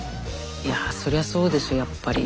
いやそりゃそうでしょやっぱり。